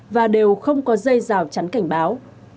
và đều không có dây rào chắn cảnh báo